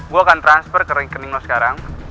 gue akan transfer ke rekening lo sekarang